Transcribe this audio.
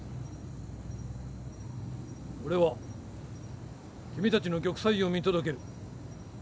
俺は君たちの玉砕を見届ける。